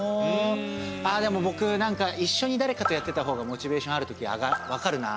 あぁでも僕なんか一緒にだれかとやってた方がモチベーションあるときわかるな。